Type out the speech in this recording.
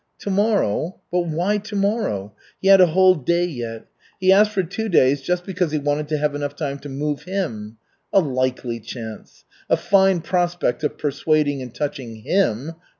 Tomorrow but why tomorrow? He had a whole day yet. He asked for two days just because he wanted to have enough time to move "him." A likely chance! A fine prospect of persuading and touching him!